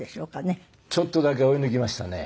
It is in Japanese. ちょっとだけ追い抜きましたね。